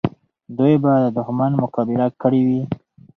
دوی به د دښمن مقابله کړې وي.